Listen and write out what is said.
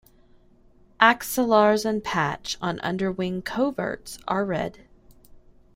Axillars and patch on underwing coverts are red.